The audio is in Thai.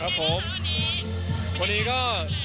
ครับผมวันนี้ก็